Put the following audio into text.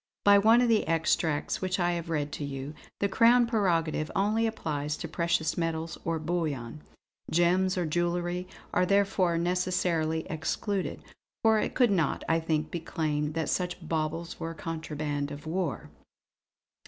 By one of the extracts which I have read you, the Crown prerogative only applies to precious metals or bullion. Gems or jewellery are therefore necessarily excluded; for it could not, I think, be claimed that such baubles were contraband of war."